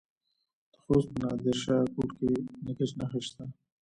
د خوست په نادر شاه کوټ کې د ګچ نښې شته.